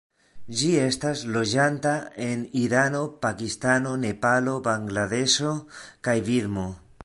Ĝi estas loĝanta en Irano, Pakistano, Nepalo, Bangladeŝo kaj Birmo.